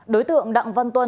đối tượng đặng văn tuân